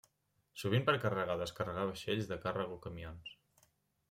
Sovint per carregar o descarregar vaixells de càrrega o camions.